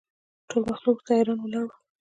ټول مخلوق ورته حیران ولاړ ول